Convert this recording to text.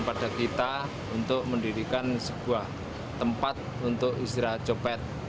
pada kita untuk mendirikan sebuah tempat untuk istirahat copet